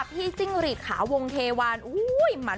จิ้งหรีดขาวงเทวาน